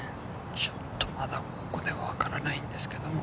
ちょっとまだここでは分からないんですけれども。